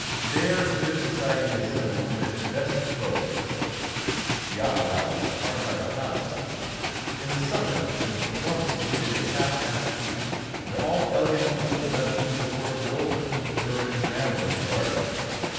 There good society assembled in its best clothes. The opera house was hard by the palace. In summer the performance ended at half past eight, and all elegant people left even before it was over, in order to ramble in the garden.